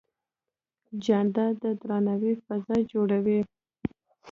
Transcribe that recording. جانداد د درناوي فضا جوړوي.